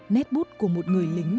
nét bút của một người lính